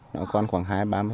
nó còn khoảng hai mươi ba mươi